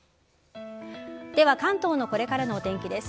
では、関東のこれからのお天気です。